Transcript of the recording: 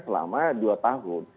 selama dua tahun